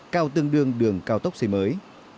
cao tương đương đường cao tốc xây mới